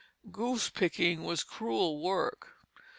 Goose picking was cruel work.